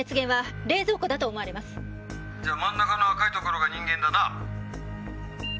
「じゃあ真ん中の赤いところが人間だな」